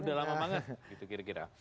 udah lama banget gitu kira kira